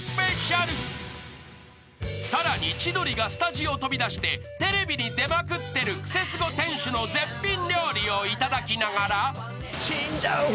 ［さらに千鳥がスタジオを飛び出してテレビに出まくってるクセスゴ店主の絶品料理をいただきながら］